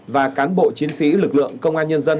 và cán bộ chiến sĩ lực lượng công an nhân dân